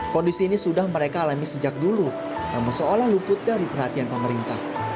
kondisi ini sudah mereka alami sejak dulu namun seolah luput dari perhatian pemerintah